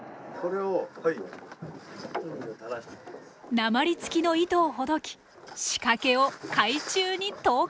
鉛つきの糸をほどき仕掛けを海中に投下。